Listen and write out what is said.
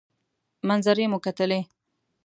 منظرې مو کتلې.